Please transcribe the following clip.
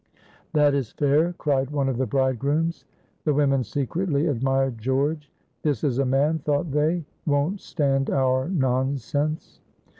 "That is fair," cried one of the bridegrooms. The women secretly admired George. This is a man, thought they won't stand our nonsense.